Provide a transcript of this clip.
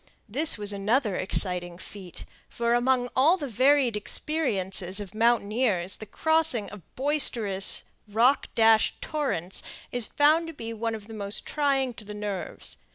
This was another exciting feat; for, among all the varied experiences of mountaineers, the crossing of boisterous, rock dashed torrents is found to be one of the most trying to the nerves.